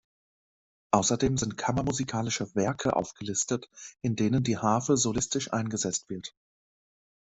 Außerdem sind kammermusikalische Werke aufgelistet, in denen die Harfe solistisch eingesetzt wird.